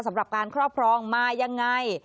สำหรับการครอบครองมายังไง